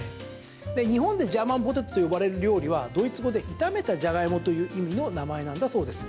日本でジャーマンポテトと呼ばれる料理はドイツ語で炒めたジャガイモという意味の名前なんだそうです。